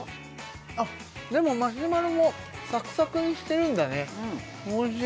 あっでもマシュマロもサクサクにしてるんだねおいしい！